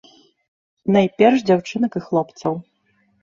Найперш дзяўчынак і хлопцаў.